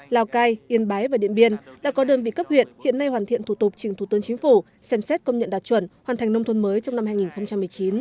lào cai yên bái và điện biên đã có đơn vị cấp huyện hiện nay hoàn thiện thủ tục trình thủ tướng chính phủ xem xét công nhận đạt chuẩn hoàn thành nông thôn mới trong năm hai nghìn một mươi chín